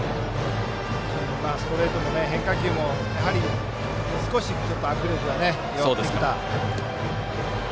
ストレートも変化球も少し握力が弱ってきた。